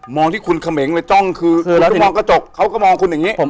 ที่คุณเขมงเลยจ้องคือแล้วมองกระจกเขาก็มองคุณอย่างนี้